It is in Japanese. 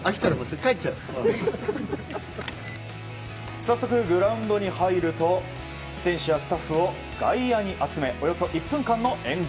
早速、グラウンドに入ると選手やスタッフを外野に集めおよそ１分間の円陣。